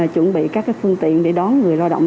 chuẩn bị các phương tiện để đón người lao động